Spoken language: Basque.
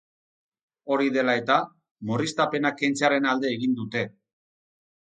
Hori dela eta, murriztapenak kentzearen alde egin dute.